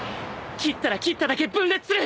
斬ったら斬っただけ分裂する！